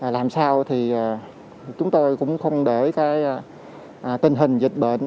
làm sao thì chúng tôi cũng không để cái tình hình dịch bệnh